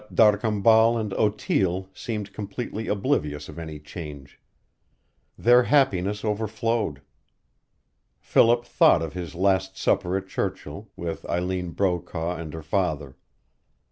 But D'Arcambal and Otille seemed completely oblivious of any change. Their happiness overflowed. Philip thought of his last supper at Churchill, with Eileen Brokaw and her father.